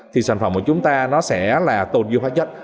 thì sản phẩm của chúng ta nó sẽ là tồn dư hóa chất